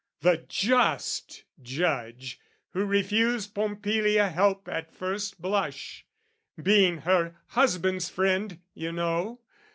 The just judge, who refused Pompilia help At first blush, being her husband's friend, you know.